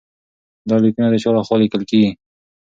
دا لیکونه د چا لخوا لیکل کیږي؟